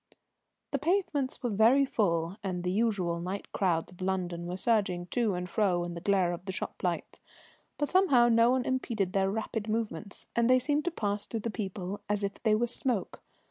The pavements were very full, and the usual night crowds of London were surging to and fro in the glare of the shop lights, but somehow no one impeded their rapid movements, and they seemed to pass through the people as if they were smoke.